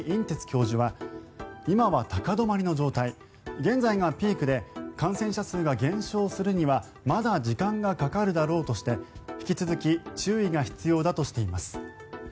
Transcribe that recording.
てつ教授は今は高止まりの状態現在がピークで感染者数が減少するにはまだ時間がかかるだろうとして引き続き注意が必要だとしています。